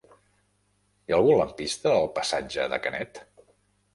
Hi ha algun lampista al passatge de Canet?